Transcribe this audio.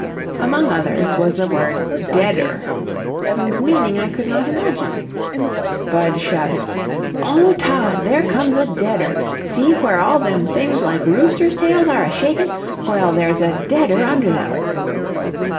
Among others was the word "deader," whose meaning I could not imagine. Budge shouted: "O Tod; there comes a deader. See where all them things like rooster's tails are a shakin'? Well, there's a deader under them."